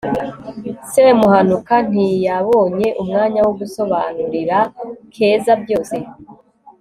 semuhanuka ntiyabonye umwanya wo gusobanurira keza byose